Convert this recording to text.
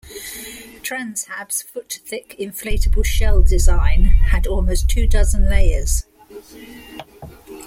TransHab's foot-thick inflatable shell design had almost two dozen layers.